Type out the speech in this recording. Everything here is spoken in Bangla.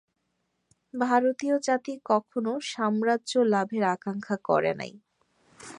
ভারতীয় জাতি কখনও সাম্রাজ্য-লাভের আকাঙ্ক্ষা করে নাই।